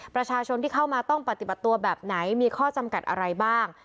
ประชาชนที่เข้ามาต้องปฏิบัติตัวแบบไหนมีข้อจำกัดอะไรบ้าง